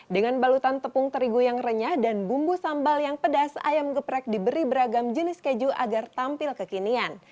dengan balutan tepung terigu yang renyah dan bumbu sambal yang pedas ayam geprek diberi beragam jenis keju agar tampil kekinian